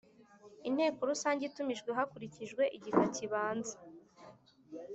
Inteko Rusange Itumijwe Hakurikijwe Igika kibanza